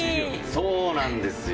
そうなんですよ！